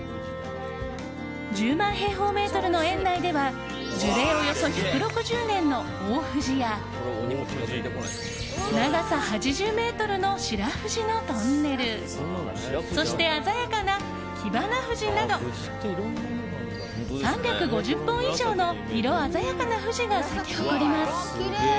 １０万平方メートルの園内では樹齢およそ１６０年の大藤や長さ８０ｍの白藤のトンネルそして鮮やかな、きばな藤など３５０本以上の色鮮やかな藤が咲き誇ります。